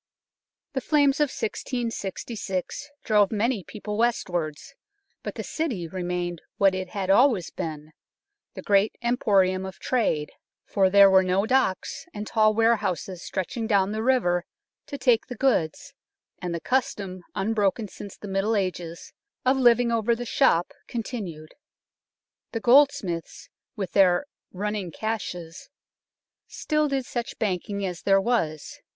The flames of 1666 drove many people west wards ; but the City remained what it had always been, the great emporium of trade, for there were 85 86 UNKNOWN LONDON no docks and tall warehouses stretching down the river to take the goods, and the custom, un broken since the Middle Ages, of living over the shop continued. The goldsmiths, with their " running cashes," still did such banking as there was.